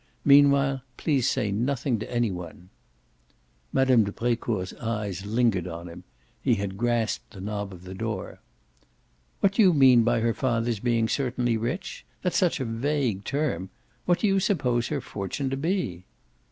Meanwhile please say nothing to any one." Mme. de Brecourt's eyes lingered on him; he had grasped the knob of the door. "What do you mean by her father's being certainly rich? That's such a vague term. What do you suppose his fortune to be?"